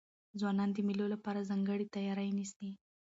ځوانان د مېلو له پاره ځانګړې تیاری نیسي.